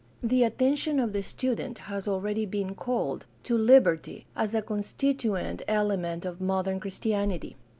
The attention of the student has already been called to liberty as a constituent element of modern Christianity.